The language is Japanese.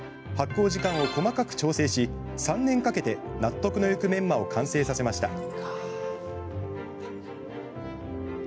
発酵時間を細かく調整し３年かけて、納得のいくメンマを完成させました。